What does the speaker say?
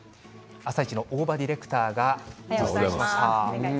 「あさイチ」の大庭ディレクターが実践してきました。